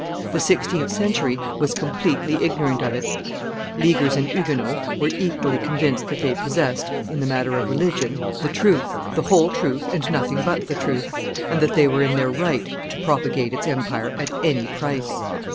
The sixteenth century was completely ignorant of it; Leaguers and Huguenots were equally convinced that they possessed, in the matter of religion, the truth, the whole truth, and nothing but the truth, and that they were in their right to propagate its empire at any price.